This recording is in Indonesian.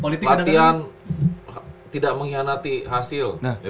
latihan tidak mengkhianati hasil